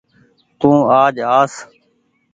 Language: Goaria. تو آج آس